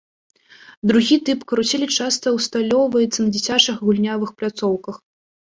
Другі тып каруселі часта ўсталёўваецца на дзіцячых гульнявых пляцоўках.